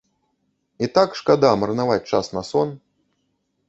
І так шкада марнаваць час на сон.